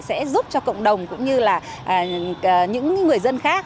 sẽ giúp cho cộng đồng cũng như là những người dân khác